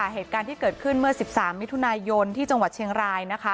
เหตุการณ์ที่เกิดขึ้นเมื่อ๑๓มิถุนายนที่จังหวัดเชียงราย